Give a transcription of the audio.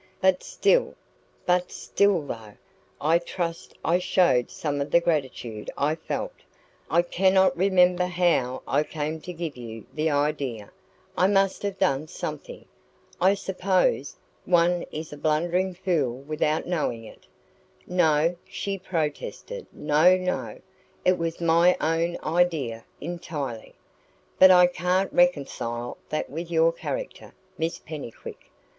But still but still though I trust I showed some of the gratitude I felt I cannot remember how I came to give you the idea I must have done something, I suppose; one is a blundering fool without knowing it " "No," she protested "no, no! It was my own idea entirely." "But I can't reconcile that with your character, Miss Pennycuick."